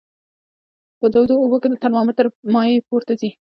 په تودو اوبو کې د ترمامتر مایع پورته ځي.